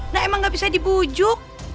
nah emang nggak bisa dipujuk